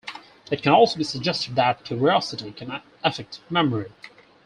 It can also be suggested that curiosity can affect memory.